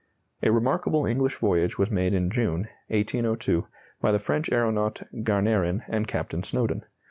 A remarkable English voyage was made in June, 1802, by the French aeronaut Garnerin and Captain Snowdon.